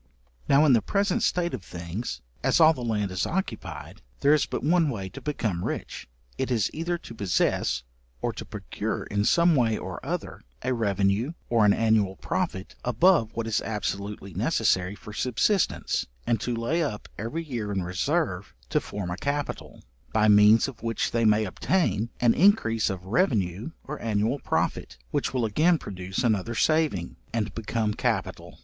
Now, in the present state of things, as all the land is occupied, there is but one way to become rich, it is either to possess, or to procure in some way or other, a revenue or an annual profit above what is absolutely necessary for subsistence, and to lay up every year in reserve to form a capital, by means of which they may obtain an increase of revenue or annual profit, which will again produce another saving, and become capital.